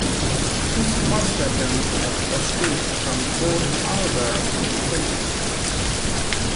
His first attempt at escape from Port Arthur failed.